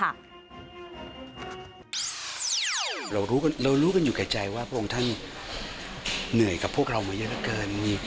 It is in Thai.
เรารู้กันอยู่แก่ใจว่าพระองค์ท่านเหนื่อยกับพวกเรามาเยอะเหลือเกิน